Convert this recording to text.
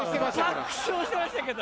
爆笑してましたけど。